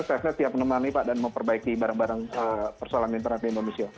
safenet tiap menemani pak dan mau perbaiki barang barang persoalan interaktif